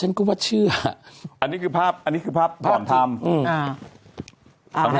ฉันก็ว่าเชื่ออันนี้คือภาพอันนี้คือภาพก่อนทำอืมอ่า